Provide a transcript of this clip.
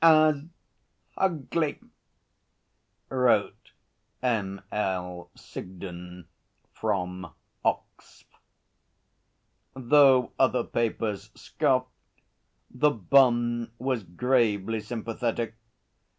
_ as Hugly,' wrote M.L. Sigden from Oxf. Though other papers scoffed, The Bun was gravely sympathetic.